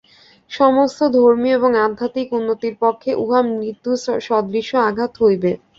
সমস্ত ধর্মীয় এবং আধ্যাত্মিক উন্নতির পক্ষে উহা মৃত্যু-সদৃশ আঘাত হইবে।